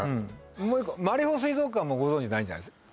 もう一個マリホ水族館もご存じないんじゃないですか